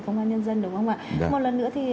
công an nhân dân đúng không ạ một lần nữa thì